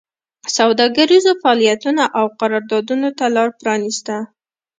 سوداګریزو فعالیتونو او قراردادونو ته لار پرانېسته